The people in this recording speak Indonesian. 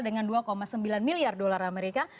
dengan dua sembilan miliar dolar amerika